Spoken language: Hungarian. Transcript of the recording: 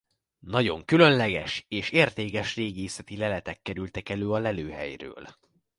Nagyon különleges és értékes régészeti leletek kerültek elő a lelőhelyről.